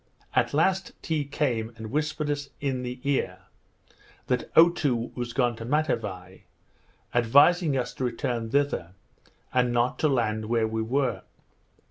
At last Tee came and whispered us in the ear, that Otoo was gone to Matavai, advising us to return thither, and not to land where we were.